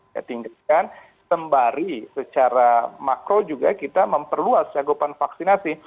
ya tinggalkan sembari secara makro juga kita memperluas cakupan vaksinasi